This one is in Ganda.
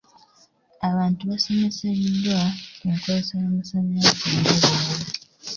Abantu basomeseddwa ku nkozesa y'amasanyalaze n'ebirala.